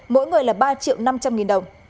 mỗi người là ba triệu năm trăm linh nghìn đồng